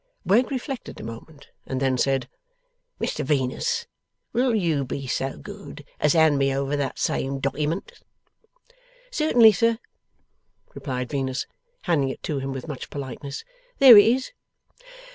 Wegg reflected a moment, and then said: 'Mr Venus, will you be so good as hand me over that same dockyment?' 'Certainly, sir,' replied Venus, handing it to him with much politeness. 'There it is.